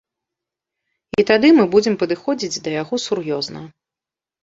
І тады мы будзем падыходзіць да яго сур'ёзна.